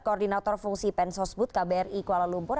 koordinator fungsi pensosbud kbri kuala lumpur